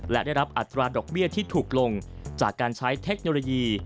และได้รับอัตราดอกเบี้ยที่ถูกลงจากการใช้เทคโนโลยี